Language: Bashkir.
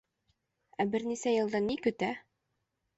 Ә бер нисә йылдан ни көтә?